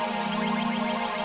siap ke bubur